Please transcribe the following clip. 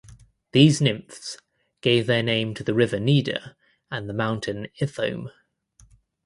These nymphs gave their name to the river Neda and mountain Ithome.